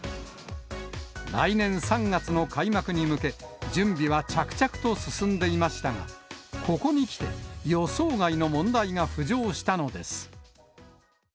来年３月の開幕に向け、準備は着々と進んでいましたが、ここにきて、予想外の問題が浮上したのです。